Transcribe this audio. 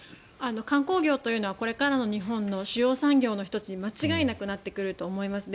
観光業というのはこれからの日本の主要産業の１つに間違いなくなってくると思います。